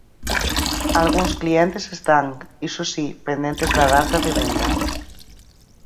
Algúns clientes están, iso si, pendentes da data de venda.